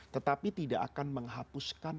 tetapi tidak akan menghapuskan